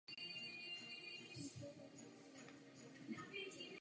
Johnson zůstal chudý až do konce života.